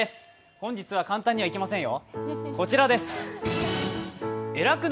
本日は簡単にはいきませんよ。